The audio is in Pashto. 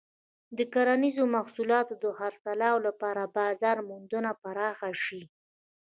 د کرنیزو محصولاتو د خرڅلاو لپاره بازار موندنه پراخه شي.